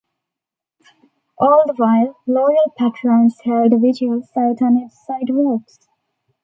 All the while, loyal patrons held vigils out on its sidewalks.